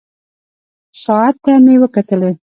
ساعت ته مې وکتلې.